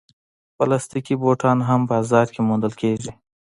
پلاستيکي بوټان هم بازار کې موندل کېږي.